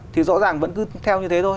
thì rõ ràng vẫn cứ theo như thế thôi